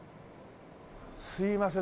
すいません。